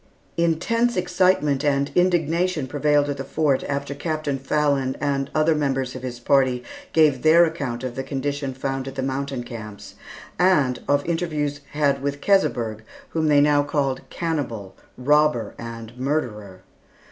Intense excitement and indignation prevailed at the Fort after Captain Fallon and other members of his party gave their account of the conditions found at the mountain camps, and of interviews had with Keseberg, whom they now called, "cannibal, robber, and murderer."